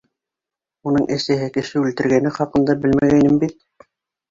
Уның әсәһе кеше үлтергәне хаҡында белмәгәйнем бит.